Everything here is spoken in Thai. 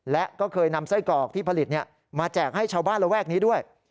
และก็เคยนำไส้กรอกที่ผลิตมาแจกให้ชาวบ้านระแวกนี้ด้วย